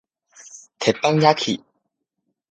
鉄板焼